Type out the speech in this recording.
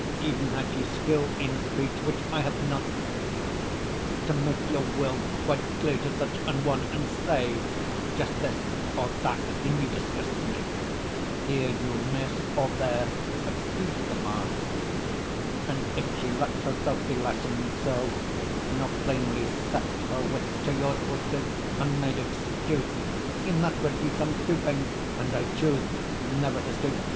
Even had you skill In speech (which I have not) to make your will Quite clear to such an one, and say, "Just this Or that in you disgusts me; here you miss, Or there exceed the mark" and if she let Herself be lessoned so, nor plainly set 40 Her wits to yours, forsooth, and made excuse, E'en that would be some stooping; and I choose Never to stoop.